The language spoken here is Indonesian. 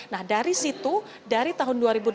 nah dari situ